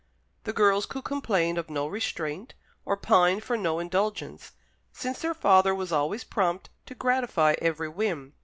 The girls could complain of no restraint, or pine for no indulgence, since their father was always prompt to gratify every whim.